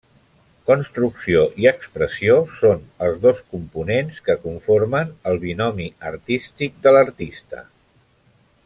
Construcció i expressió són els dos components que conformen el binomi artístic de l'artista.